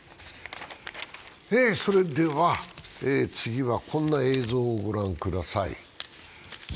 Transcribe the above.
それでは、次はこんな映像をご覧ください。